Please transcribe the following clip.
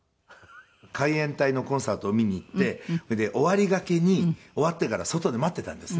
「海援隊のコンサートを見に行ってそれで終わりがけに終わってから外で待っていたんですね」